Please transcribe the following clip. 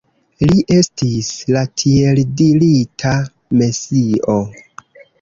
Li estis la tieldirita Mesio.